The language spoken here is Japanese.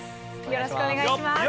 よろしくお願いします。